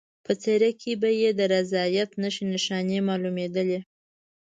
په څېره کې به یې د رضایت نښې نښانې معلومېدلې.